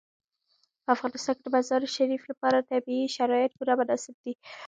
په افغانستان کې د مزارشریف لپاره طبیعي شرایط پوره مناسب دي.